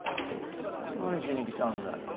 何しに来たんだよ